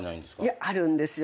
いやあるんですよ